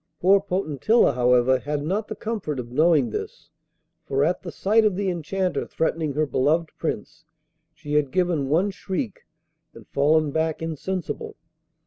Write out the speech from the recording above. Poor Potentilla, however, had not the comfort of knowing this, for at the sight of the Enchanter threatening her beloved Prince she had given one shriek and fallen back insensible.